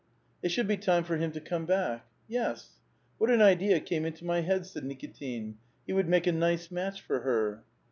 " It should be time for him to come back.'* "Yes." " What an idea came into my head," said Nikitin ; "he would make a nice match for her."